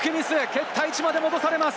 蹴った位置まで戻されます。